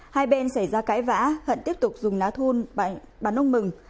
hai bên xảy ra cãi vã hận tiếp tục dùng lá thun bắn ông mừng